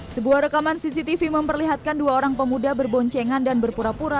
sebuah rekaman cctv memperlihatkan dua orang pemuda berboncengan dan berpura pura